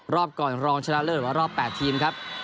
รอบก่อนรองชนะเลิศหรือว่ารอบ๘ทีมครับ